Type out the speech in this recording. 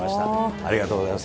ありがとうございます。